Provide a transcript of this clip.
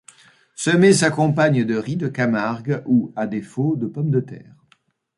Ce mets s'accompagne de riz de Camargue ou, à défaut, de pommes de terre.